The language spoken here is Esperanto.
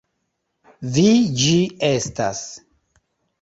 Vi ĝi estas!